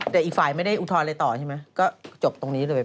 แต่อีกฝ่ายไม่ได้อุทธรณ์อะไรต่อใช่ไหมก็จบตรงนี้เลย